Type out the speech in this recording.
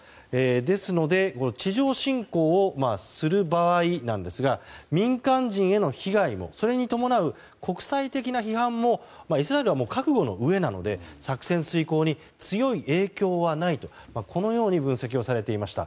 ですので地上侵攻をする場合なんですが民間人への被害をそれに伴う国際的な批判をイスラエルは覚悟のうえなので作戦遂行に強い影響はないとこのように分析をされていました。